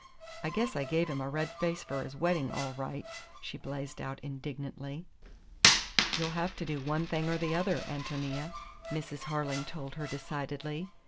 I guess I gave him a red face for his wedding, all right!" she blazed out indignantly. "You'll have to do one thing or the other, Ántonia," Mrs. Harling told her decidedly.